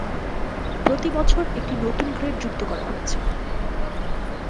প্রতি বছর একটি নতুন গ্রেড যুক্ত করা হয়েছে।